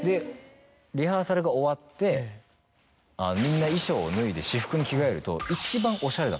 リハーサルが終わってみんな衣装を脱いで私服に着替えると。